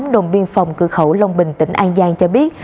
đồng biên phòng cửa khẩu long bình tỉnh an giang cho biết